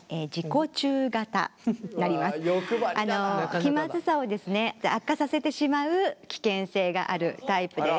気まずさを悪化させてしまう危険性があるタイプです。